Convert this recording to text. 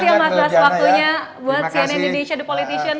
terima kasih ya mas bas waktunya buat cnn indonesia the politician